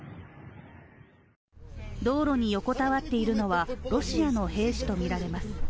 道路に横たわっているのはロシアの兵士とみられます。